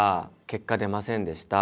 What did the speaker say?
結果出ませんでした。